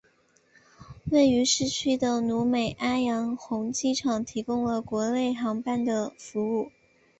位于市区的努美阿洋红机场提供了国内航班的服务。